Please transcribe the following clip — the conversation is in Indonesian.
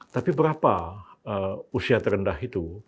tapi berapa usia terendah itu